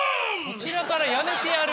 こちらからやめてやる？